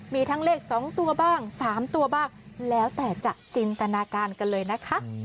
มีทั้งเลข๒ตัวบ้าง๓ตัวบ้างแล้วแต่จะจินตนาการกันเลยนะคะ